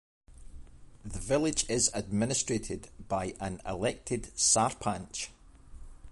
The village is administrated by an elected Sarpanch.